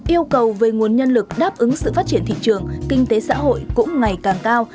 yêu cầu về nguồn nhân lực đáp ứng sự phát triển thị trường kinh tế xã hội cũng ngày càng cao